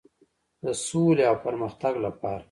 د سولې او پرمختګ لپاره.